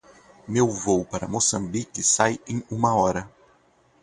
Meu voo para Moçambique sai em uma hora.